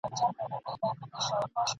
په غومبر او په مستیو ګډېدلې ..